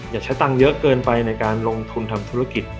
อย่าใช้ตังค์เยอะเกินไปในการลงทุนทำธุรกิจ